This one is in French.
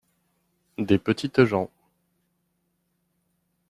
Des petites gens.